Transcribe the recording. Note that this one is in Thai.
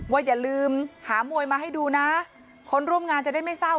อย่าลืมหามวยมาให้ดูนะคนร่วมงานจะได้ไม่เศร้า